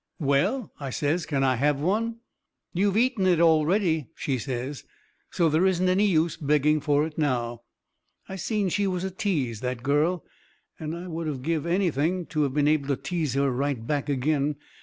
"Well," I says, "can I have one?" "You've eaten it already," she says, "so there isn't any use begging for it now." I seen she was a tease, that girl, and I would of give anything to of been able to tease her right back agin.